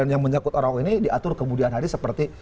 yang menyakut orang ini diatur kemudian hari seperti